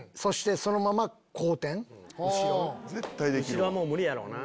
後ろはもう無理やろうな。